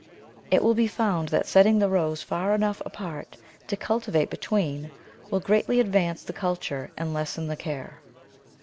It will be found that setting the rows far enough apart to cultivate be tween will greatly advance the culture and lessen the care.